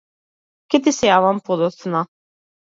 Ќе ти се јавам подоцна.